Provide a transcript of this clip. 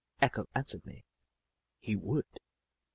Echo answered me — he would.